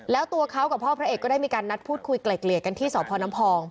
แล้วตัวเขากับพ่อพระเอกก็ได้มีการนัดพูดคุยเกล็กกันที่สพนพ